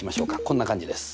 こんな感じです。